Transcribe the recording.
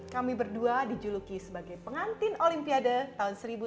kami berdua dijuluki sebagai pengantin olimpiade tahun seribu sembilan ratus sembilan puluh